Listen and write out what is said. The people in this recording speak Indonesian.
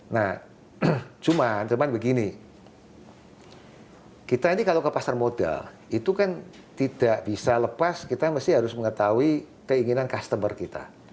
nah cuma cuman begini kita ini kalau ke pasar modal itu kan tidak bisa lepas kita harus mengetahui keinginan customer kita